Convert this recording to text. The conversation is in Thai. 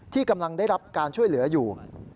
ที่กำลังได้รับการช่วยเหลืออยู่